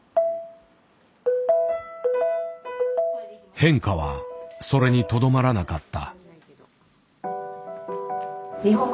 変化はそれにとどまらなかった。